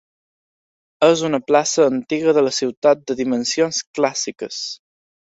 És una plaça antiga de la ciutat de dimensions clàssiques.